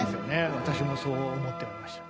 私もそう思っておりました。